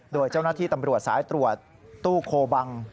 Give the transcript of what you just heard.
โดยเจ้าหน้าที่ตำรวจสายตรวจตู้โคบัง